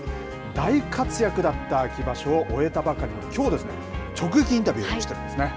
大活躍だった秋場所を終えたばかりのきょうですね、直撃インタビューしておりますね。